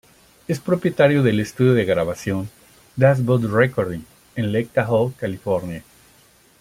Es propietario del estudio de grabación "das boot recording" en Lake Tahoe, California.